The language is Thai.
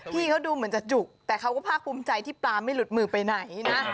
พี่เขาดูเหมือนจะจุกแต่เขาก็ภาคภูมิใจที่ปลาไม่หลุดมือไปไหนนะ